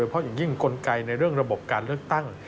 เพราะอย่างยิ่งกลไกในเรื่องระบบการเลือกตั้ง